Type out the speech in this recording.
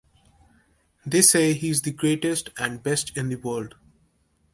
They say he is the greatest and best in the world.